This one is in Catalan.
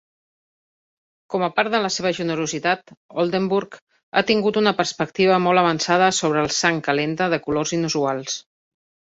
Com a part de la seva generositat, Oldenburg ha tingut una perspectiva molt avançada sobre els sang calenta de colors inusuals.